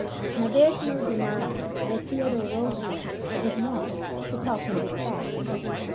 Now, there is no denying that Theodore Roosevelt was wont to talk in this fashion.